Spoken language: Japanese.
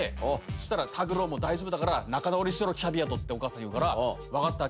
そしたら「卓郎もう大丈夫だから仲直りしろキャビアと」ってお母さん言うから分かった。